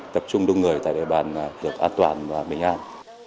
tập trung đông người tại địa bàn được an toàn và bình an